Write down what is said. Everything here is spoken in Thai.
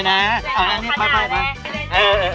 ขอบใจของสบายนะเอาเอาอันนี้ไป